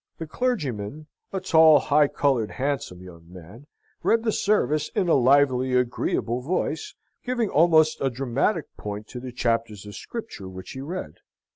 The clergyman, a tall, high coloured, handsome young man, read the service in a lively, agreeable voice, giving almost a dramatic point to the chapters of Scripture which he read.